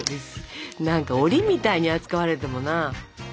何かおりみたいに扱われてもな。